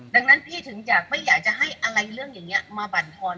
ดังนั้นพี่ถึงอยากไม่อยากจะให้อะไรเรื่องอย่างนี้มาบรรทอน